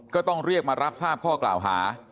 ก็ต้องเรียกมารับทราบข้อกล่าวหา